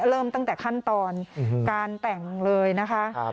เริ่มตั้งแต่ขั้นตอนการแต่งเลยนะคะ